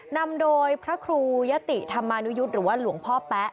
นำโดยพระครูยะติธรรมานุยุทธ์หรือว่าหลวงพ่อแป๊ะ